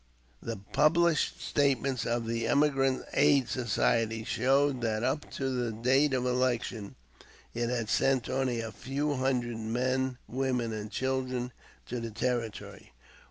The published statements of the Emigrant Aid Society show that up to the date of election it had sent only a few hundred men, women, and children to the Territory.